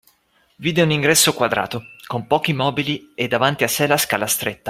Vide un ingresso quadrato, con pochi mobili e davanti a sè la scala stretta.